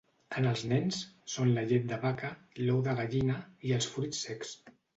En els nens, són la llet de vaca, l'ou de gallina i els fruits secs.